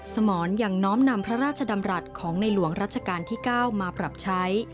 สมรยังน้อมนำพระราชดำรัฐของในหลวงรัชกาลที่๙มาปรับใช้